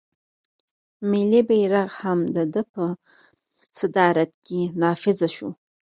ملي بیرغ هم د ده په صدارت کې نافذ شو.